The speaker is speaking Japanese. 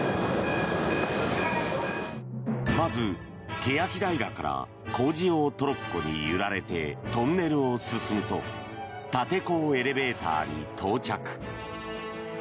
まず、欅平から工事用トロッコに揺られてトンネルを進むと立て坑エレベーターに到着。